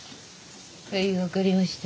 はい分かりました。